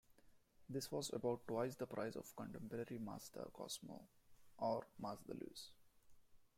This was about twice the price of a contemporary Mazda Cosmo or Mazda Luce.